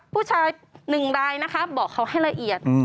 ผู้ชาย๑รายนะคะบอกเขาให้ละเอียด